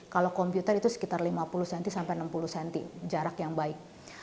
kalau komputer itu sekitar lima puluh cm sampai enam puluh cm jarak yang baik